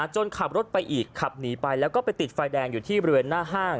ขับรถไปอีกขับหนีไปแล้วก็ไปติดไฟแดงอยู่ที่บริเวณหน้าห้าง